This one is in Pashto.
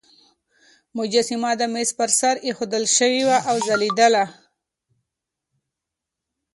مجسمه د مېز پر سر ایښودل شوې وه او ځلېدله.